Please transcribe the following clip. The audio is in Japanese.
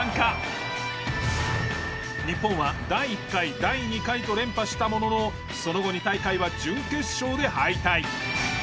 日本は第１回第２回と連覇したもののその後２大会は準決勝で敗退。